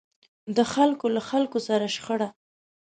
د خلکو له خلکو سره شخړه.